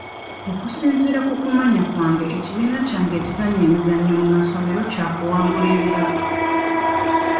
Okusinziira ku kumanya kwange ekibiina kyange ekizannya emizannyo mu masomero kyakuwangula ebirabo.